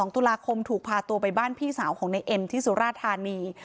๒ตุลาคมถูกพาตัวไปบ้านพี่สาวของในเอ็มที่สุราธานี